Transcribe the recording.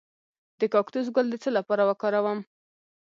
د کاکتوس ګل د څه لپاره وکاروم؟